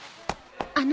あの。